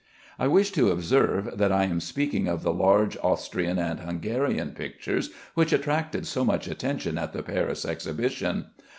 I wish to observe that I am speaking of the large Austrian and Hungarian pictures which attracted so much attention at the Paris exhibition.